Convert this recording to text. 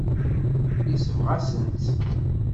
Yesbeɣ-asen-tt.